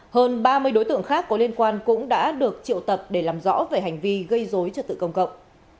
hơn ba mươi đối tượng khác có liên quan cũng đã được triệu tập để làm rõ về hành vi gây dối trật tự công cộng